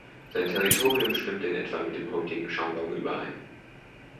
Sein Territorium stimmte in etwa mit dem heutigen Shandong überein.